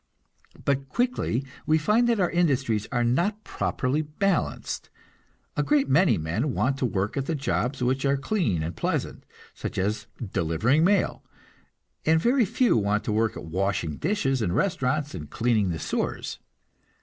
But quickly we find that our industries are not properly balanced. A great many men want to work at the jobs which are clean and pleasant, such as delivering mail, and very few want to work at washing dishes in restaurants and cleaning the sewers.